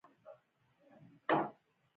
زه پیسې نه لرم